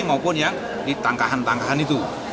maupun yang di tangkahan tangkahan itu